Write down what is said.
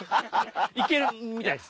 行けるみたいです。